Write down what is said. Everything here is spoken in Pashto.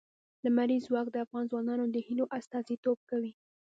لمریز ځواک د افغان ځوانانو د هیلو استازیتوب کوي.